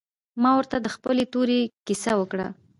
ما ورته د خپلې تورې کيسه وکړه.